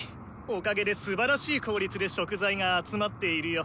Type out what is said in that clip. おかげですばらしい効率で食材が集まっているよ。